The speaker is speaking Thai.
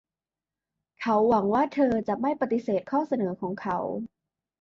เขาหวังว่าเธอจะไม่ปฏิเสธข้อเสนอของเขา